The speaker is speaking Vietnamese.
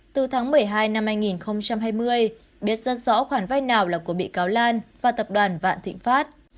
từ tháng một mươi hai năm hai nghìn hai mươi biết dân rõ khoản vai nào là của bị cáo lan và tập đoàn vạn thịnh pháp